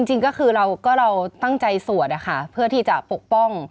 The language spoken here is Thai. จริงก็คือเราก็เราตั้งใจสวดนะคะเพื่อที่จะปกป้อง